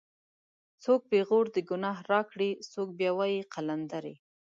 څوک پېغور د گناه راکړي څوک بیا وایي قلندرې